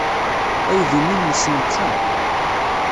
Aydi-nni nnes netta.